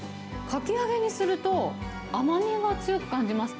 かき揚げにすると、甘みを強く感じます。